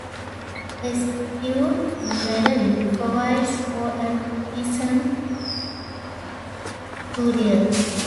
The statute merely provides for a decent burial.